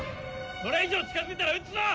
それ以上近づいたら撃つぞ！